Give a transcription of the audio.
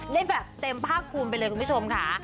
ได้แบบเต็มภาคภูมิไปเลยคุณผู้ชมค่ะ